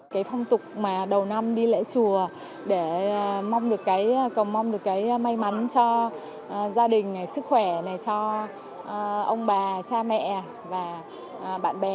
cái phong tục mà đầu năm đi lễ chùa để mong được cái may mắn cho gia đình sức khỏe cho ông bà cha mẹ và bạn bè